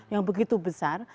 yang begitu besar